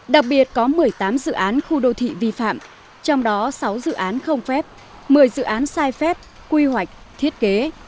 đặc biệt có một mươi tám dự án khu đô thị vi phạm trong đó sáu dự án không phép một mươi dự án sai phép quy hoạch thiết kế